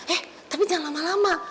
eh tapi jangan lama lama